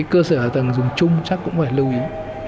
cơ sở hạ tầng dùng chung chắc cũng phải lưu ý